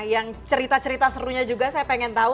yang cerita cerita serunya juga saya pengen tahu